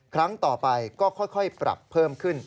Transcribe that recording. ครั้งต่อไปพรับเข้มขึ้น